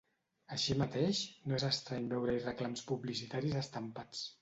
Així mateix, no és estrany veure-hi reclams publicitaris estampats.